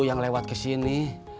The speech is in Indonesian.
yang lewat kesini